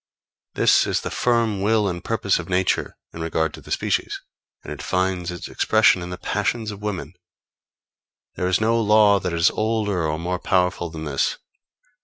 This is the firm will and purpose of Nature in regard to the species, and it finds its expression in the passions of women. There is no law that is older or more powerful than this.